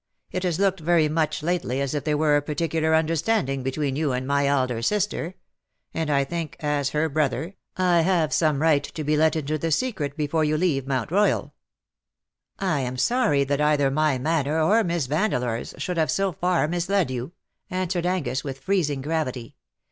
It has looked very much lately as if there were a particular understanding between you and my elder sister; and I think, as her brother, I have some right to be let into the secret before you leave Mount Eoyal.''^ " I am sorry that either my manner, or !Miss Vandeleur^s, should have so far misled you," answered Angus, with freezing gravity.